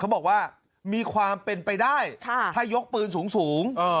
บอกว่ามีความเป็นไปได้ถ้ายกปืนสูง